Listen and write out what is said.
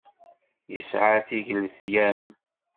Yesɛa tigletyam.